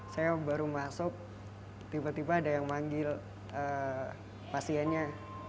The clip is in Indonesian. saya baru masuk tiba tiba ada yang manggil pasiennya